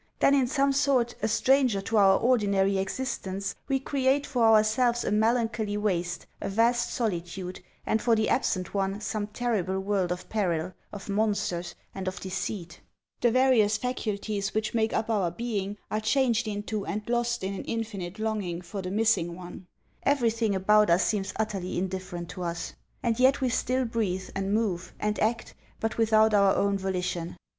Then, in some sort a stranger to our ordinary existence, we create for ourselves a melancholy waste, a vast solitude, and for the absent one some terrible world of peril, of monsters, arid of deceit ; the various faculties which make up our being are changed into and lost in an infinite longing for the missing one ; everything about us seems utterly indifferent to us. And yet we still breathe, and move, and act, but without our own volition.